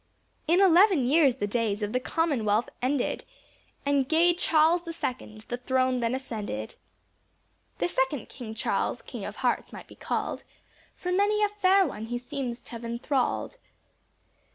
In eleven years the days of the Commonwealth ended. And gay Charles the second, the throne then ascended. This second king Charles king of hearts might be call'd, For many a fair one he seems t' have enthrall'd.